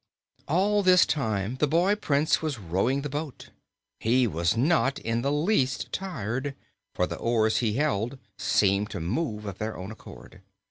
All this time the boy Prince was rowing the boat. He was not in the least tired, for the oars he held seemed to move of their own accord.